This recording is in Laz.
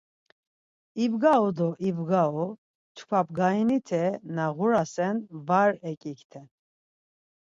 İbgaru do ibgaru çkva bgarinite na ğurasen var eǩikten.